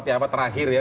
seperti apa terakhir ya